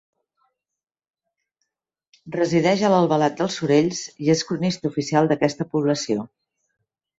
Resideix a Albalat dels Sorells, i és cronista oficial d'aquesta població.